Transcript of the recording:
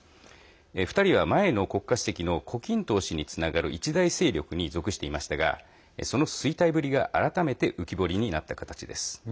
２人は前の国家主席の胡錦涛氏につながる一大勢力に属していましたがその衰退ぶりが改めて浮き彫りになった形です。